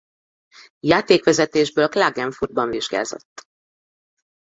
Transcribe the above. Játékvezetésből Klagenfurtban vizsgázott.